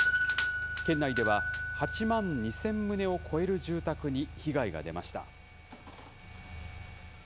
県内では８万２０００棟を超える住宅に被害が出ました。